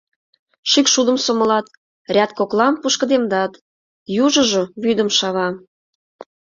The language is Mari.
Шӱкшудым сомылат, ряд коклам пушкыдемдат, южыжо вӱдым шава.